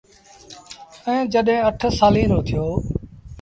ائيٚݩ جڏهيݩ اَٺ سآليٚݩ رو ٿيو۔